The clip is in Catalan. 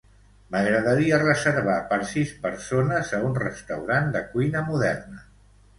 M'agradaria reservar per sis persones a un restaurant de cuina moderna.